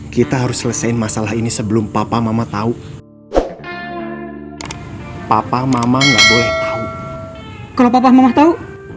kita harus selesain masalah ini sebelum papa mama tau